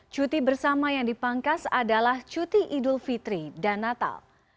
cuti bersama yang dipangkas adalah cuti idul fitri dan natal